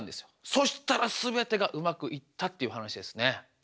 そしたら全てがうまくいったっていう話ですね。